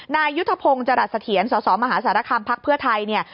นายยุทธพงศ์จรัสเถียนสมหาศาลคัมภักดิ์เพื่อไทย